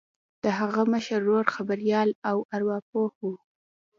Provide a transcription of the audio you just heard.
د هغه مشر ورور خبریال او ارواپوه و